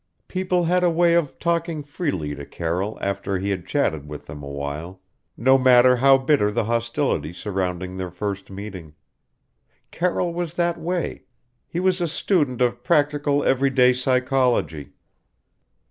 People had a way of talking freely to Carroll after he had chatted with them awhile, no matter how bitter the hostility surrounding their first meeting. Carroll was that way he was a student of practical every day psychology.